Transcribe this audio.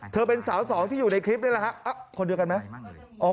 เป็นสาวสองที่อยู่ในคลิปนี่แหละฮะคนเดียวกันไหม